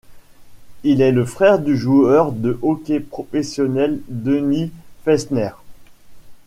Il est le frère du joueur de hockey professionnel Denny Felsner.